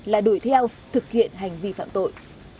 và đuổi theo thực hiện hành vi phạm tội